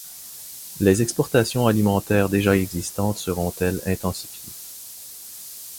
Les exportations alimentaires déjà existantes seront, elles, intensifiées.